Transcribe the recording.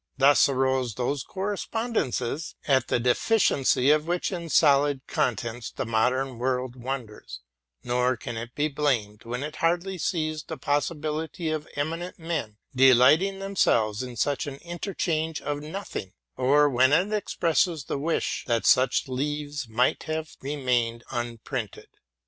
Thus arose those correspondences, at the defi ciency of which in solid contents the modern world wonders ; nor can it be blamed, when it hardly sees the possibility of eminent men delighting themselves in such an interchange of nothing, or when it expresses the wish that such leaves might have remained unprinted.